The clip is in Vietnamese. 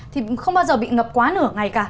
thì không bao giờ bị ngập quá nửa ngày cả